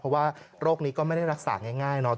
เพราะว่าโรคนี้ก็ไม่ได้รักษาง่ายเนาะ